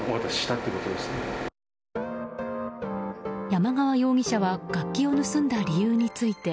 山川容疑者は楽器を盗んだ理由について。